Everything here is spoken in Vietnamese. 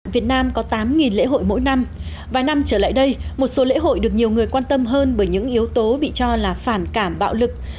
việt nam có tám lễ hội mỗi năm vài năm trở lại đây một số lễ hội được nhiều người quan tâm hơn bởi những yếu tố bị cho là phản cảm bạo lực